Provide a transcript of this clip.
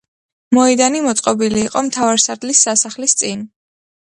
მოედანი მოწყობილი იყო მთავარსარდლის სასახლის წინ.